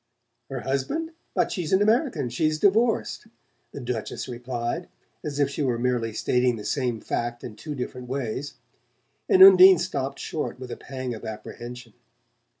"Her husband? But she's an American she's divorced," the Duchess replied, as if she were merely stating the same fact in two different ways; and Undine stopped short with a pang of apprehension.